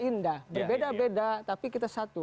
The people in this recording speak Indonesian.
indah berbeda beda tapi kita satu